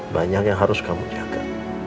banyak yang harus kamu jaga